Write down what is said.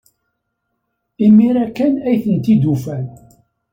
Imir-a kan ay ten-id-ufan.